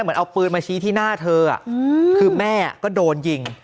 เหมือนเอาปืนมาชี้ที่หน้าเธอคือแม่ก็โดนยิง